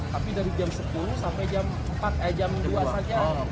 tapi dari jam sepuluh sampai jam dua saja